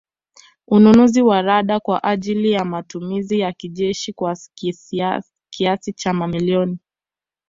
Ununuzi wa Rada kwa ajili ya matumizi ya kijeshi kwa kiasi cha mamilioni